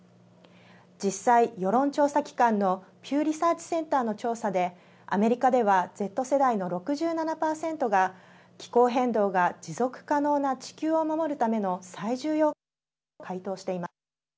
実際、世論調査機関のピューリサーチセンターの調査でアメリカではＺ世代の６７％が気候変動が持続可能な地球を守るための最重要課題だと回答しています。